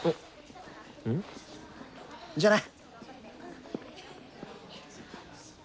じゃあな。